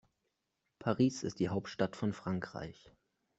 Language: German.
Paris ist die Hauptstadt von Frankreich.